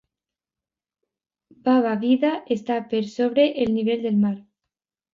Baba Vida està per sobre del nivell del mar.